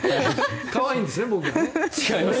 可愛いんですね、僕がね。